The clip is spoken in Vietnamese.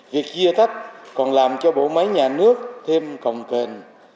việc chia tách còn làm cho bộ máy nhà nước thêm cộng kền